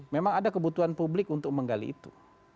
memang ada kebutuhan publik untuk menggali itu